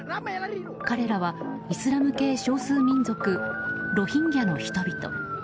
彼らはイスラム系少数民族ロヒンギャの人々。